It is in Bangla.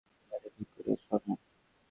তুমি এটা ঠিক করছোনা।